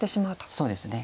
そうですね。